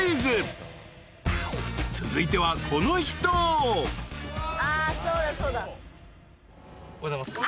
［続いてはこの人］おはようございます。